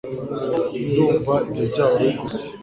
Ndumva ibyo byaba bigoye